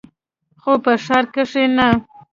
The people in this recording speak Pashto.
خو په ښار کښې نه.